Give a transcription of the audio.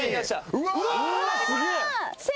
うわ！